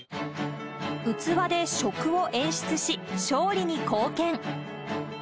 器で食を演出し、勝利に貢献。